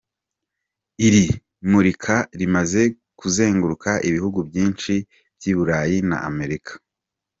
Iri murika rimaze kuzenguruka ibihugu byinshi by’i Burayi na Amerika.